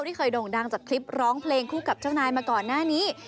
ที่เคยโด่งดังจากคลิปร้องเพลงคู่กับเจ้านายมาก่อนหน้านี้